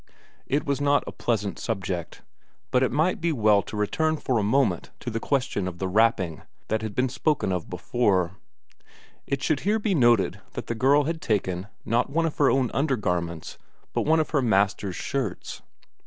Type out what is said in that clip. It was not a pleasant subject, but it might be well to return for a moment to the question of the wrapping that had been spoken of before; it should here be noted that the girl had taken, not one of her own undergarments, but one of her master's shirts.